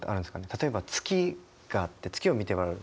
例えば月があって月を見て笑う。